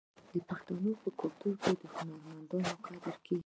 د پښتنو په کلتور کې د هنرمندانو قدر کیږي.